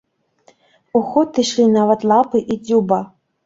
У ход ішлі нават лапы і дзюба.